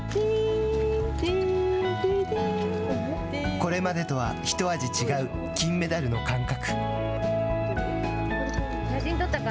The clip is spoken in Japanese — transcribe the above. これまでとは一味違う金メダルの感覚。